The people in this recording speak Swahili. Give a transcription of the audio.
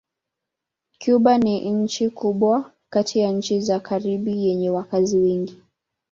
Kuba ni nchi kubwa kati ya nchi za Karibi yenye wakazi wengi.